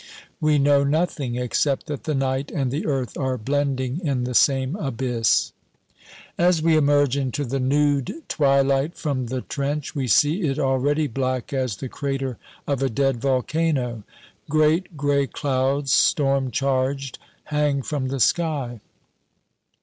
We know nothing, except that the night and the earth are blending in the same abyss. As we emerge into the nude twilight from the trench, we see it already black as the crater of a dead volcano. Great gray clouds, storm charged, hang from the sky.